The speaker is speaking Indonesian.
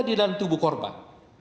di dalam tubuh korban